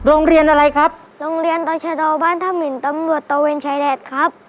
โรงเรียนอะไรครับโรงเรียนต่อชะดอบ้านท่ามินตำรวจตะเวนชายแดดครับ